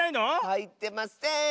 はいってません！